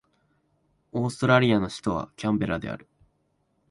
オーストラリアの首都はキャンベラである